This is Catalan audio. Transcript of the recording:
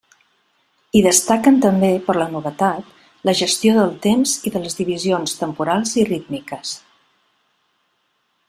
Hi destaquen també, per la novetat, la gestió del temps i de les divisions temporals i rítmiques.